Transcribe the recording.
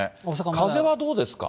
風はどうですか。